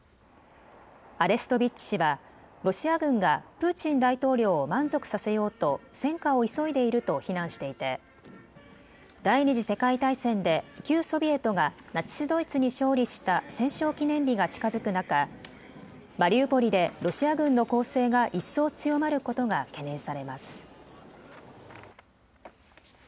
アレストビッチ氏はロシア軍がプーチン大統領を満足させようと戦果を急いでいると非難していて第２次世界大戦で旧ソビエトがナチス・ドイツに勝利した戦勝記念日が近づく中、マリウポリでロシア軍の攻勢が一層強まることが懸念されます。